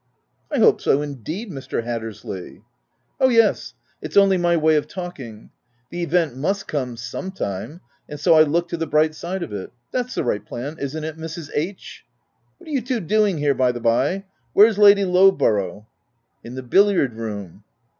" I hope so, indeed, Mr. Hattersley !"" Oh yes ! It's only my way of talking. The event must come, sometime, and so I look to the bright side of it — that's the right plan, isn't it, Mrs. H. ?— What are you two doing here, by the by — where's Lady Lowborough ?" OF W1LDFELL HALL. 255 " In the billiard room."